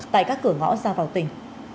tại các cửa ngõ xa vào tỉnh